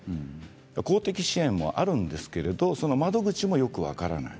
公的支援もあるんですがその窓口もよく分からない。